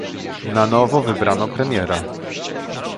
Na nowo wybrano premiera